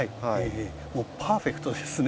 もうパーフェクトですね。